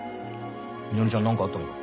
みのりちゃん何かあったのか？